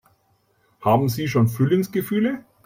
Haben Sie schon Frühlingsgefühle?